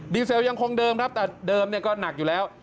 เซลยังคงเดิมครับแต่เดิมก็หนักอยู่แล้ว